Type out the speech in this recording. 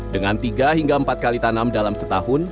dengan tiga hingga empat kali tanam dalam setahun